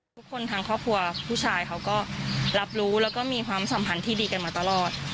ทุกคนทางครอบครัวผู้ชายเขาก็รับรู้แล้วก็มีความสัมพันธ์ที่ดีกันมาตลอด